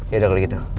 yaudah kalau gitu